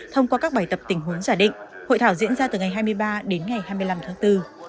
thông qua các bài tập tình huống giả định hội thảo diễn ra từ ngày hai mươi ba đến ngày hai mươi năm tháng bốn